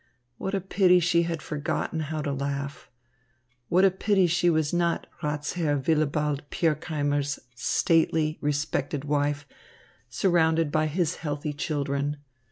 What a pity she had forgotten how to laugh! What a pity she was not Ratsherr Willibald Pirkheimer's stately, respected wife, surrounded by his healthy children!